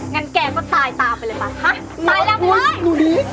งั้นแกก็สายตามไปเลยป่ะสายละไหม